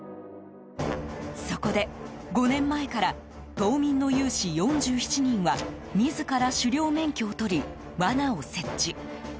そこで５年前から島民の有志４７人は自ら狩猟免許を取り罠を設置。